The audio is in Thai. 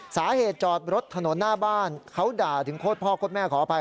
จอดรถถนนหน้าบ้านเขาด่าถึงโคตรพ่อโคตรแม่ขออภัย